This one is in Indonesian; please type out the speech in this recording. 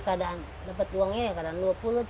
kadang dapet uangnya ya kadang dua puluh tiga puluh nggak tentu